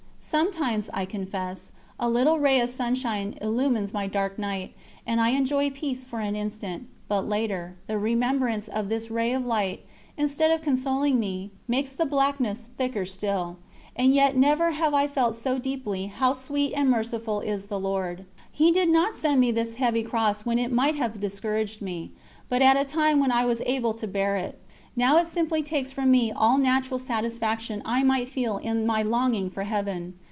Sometimes, I confess, a little ray of sunshine illumines my dark night, and I enjoy peace for an instant, but later, the remembrance of this ray of light, instead of consoling me, makes the blackness thicker still. And yet never have I felt so deeply how sweet and merciful is the Lord. He did not send me this heavy cross when it might have discouraged me, but at a time when I was able to bear it. Now it simply takes from me all natural satisfaction I might feel in my longing for Heaven.